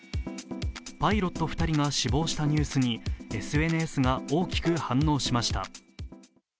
パイロット２人が死亡したニュースにＳＮＳが大きく反応しました。